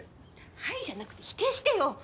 「はい」じゃなくて否定してよ！